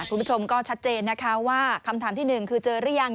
คุณผู้ชมก็ชัดเจนนะคะว่าคำถามที่หนึ่งคือเจอหรือยัง